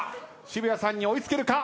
渋谷さんに追い付けるか。